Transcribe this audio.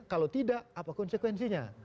kalau tidak apa konsekuensinya